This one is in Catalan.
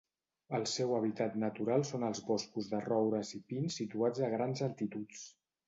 El seu hàbitat natural són els boscos de roures i pins situats a grans altituds.